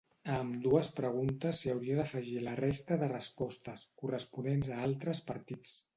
A ambdues preguntes s'hi hauria d'afegir la resta de respostes, corresponents a altres partits.